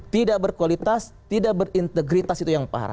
tidak berkualitas tidak berintegritas itu yang parah